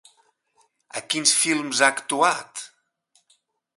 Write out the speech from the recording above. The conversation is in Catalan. En quins films ha actuat?